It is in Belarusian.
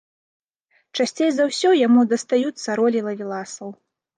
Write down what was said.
Часцей за ўсё яму дастаюцца ролі лавеласаў.